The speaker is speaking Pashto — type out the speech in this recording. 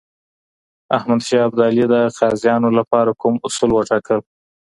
احمد شاه ابدالي د قاضیانو لپاره کوم اصول وټاکل؟